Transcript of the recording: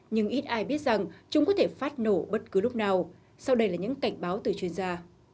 nhưng ít ai biết rằng chúng có thể phát nổ bất cứ lúc nào sau đây là những cảnh báo từ chuyên gia